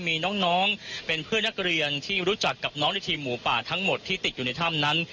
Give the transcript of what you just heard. มีน้องเป็นเพื่อนนักเรียนที่รู้จักกับน้องในทีมหมูป่าทั้งหมดที่ติดอยู่ในถ้ำนั้น